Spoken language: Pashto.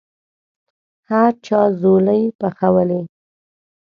هر چا ځوالې پخولې.